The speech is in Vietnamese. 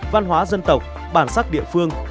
văn hóa dân tộc bản sắc địa phương